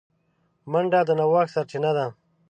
منډه د نوښت سرچینه ده